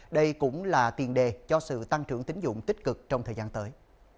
đây cũng là tiền đề cho sự tăng trưởng tính dụng tích cực trong thời gian tới